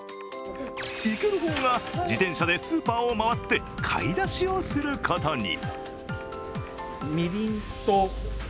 行ける方が自転車でスーパーを回って買い出しをすることに。